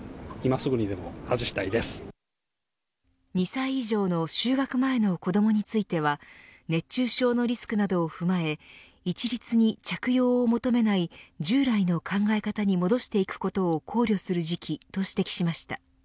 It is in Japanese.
２歳以上の就学前の子どもについては熱中症のリスクなどを踏まえ一律に着用を求めない、従来の考え方に戻していくことを考慮する時期と指摘しました。